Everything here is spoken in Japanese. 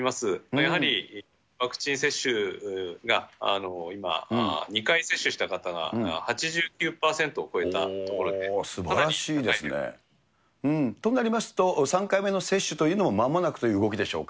やはりワクチン接種が今、２回接種した方が８９％を超えたところで、かなり高い。となりますと、３回目の接種というのもまもなくという動きでしょうか。